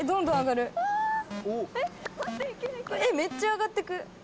めっちゃ上がって行く。